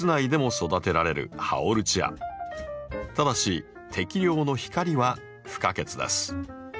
ただし適量の光は不可欠です。